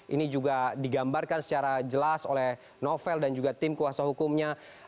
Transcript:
ini juga digambarkan secara jelas oleh novel dan juga tim kuasa hukumnya